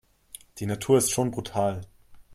Die Natur ist schon brutal.